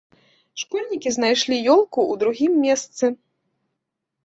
Школьнікі знайшлі ёлку ў другім месцы.